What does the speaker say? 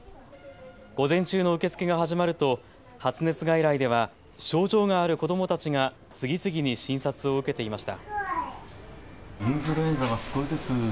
午前中の受け付けが始まると発熱外来では症状がある子どもたちが次々に診察を受けていました。